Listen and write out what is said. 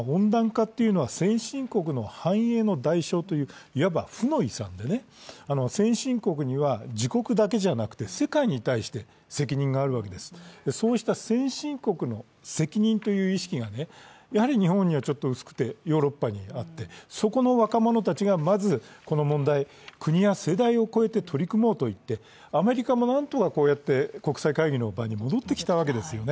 先進国の繁栄の代償といういわば負の遺産で先進国には自国だけじゃなくて世界に対して責任があるわけです、そうした先進国の責任という意識がやはり日本には薄くてヨーロッパにあってそこの若者たちがまずこの問題、国や世代を超えて取り組もうと言ってアメリカも何とかこうやって国際会議の場に戻ってきたわけですよね。